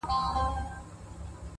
o بیرته چي یې راوړې. هغه بل وي زما نه .